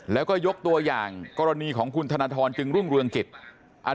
แล้วก็ยกตัวอย่างกรณีของคุณธนทรจึงรุ่งเรืองกิจ